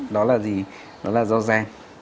đó là gì đó là do da